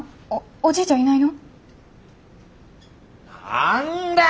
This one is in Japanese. おじいちゃんいないの？